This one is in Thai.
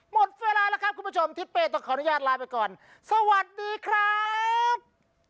หมดเวลาแล้วครับคุณผู้ชมทิศเป้ต้องขออนุญาตลาไปก่อนสวัสดีครับ